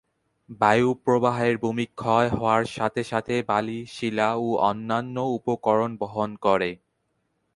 বায়ু প্রবাহে ভূমিক্ষয় হওয়ার সাথে সাথে বালি, শিলা ও অন্যান্য উপকরণ বহন করে।